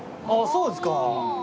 そうですか。